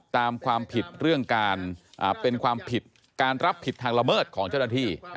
ตามความผิดเรื่องการเป็นความผิดการรับผิดทางละเมิดของเจ้าหน้าที่